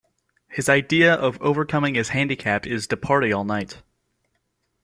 His idea of overcoming his handicap is to party all night.